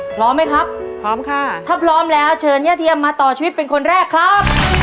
พร้อมไหมครับพร้อมค่ะถ้าพร้อมแล้วเชิญย่าเทียมมาต่อชีวิตเป็นคนแรกครับ